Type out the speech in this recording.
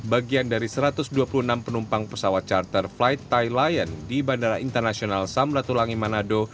bagian dari satu ratus dua puluh enam penumpang pesawat charter flight thai lion di bandara internasional samratulangi manado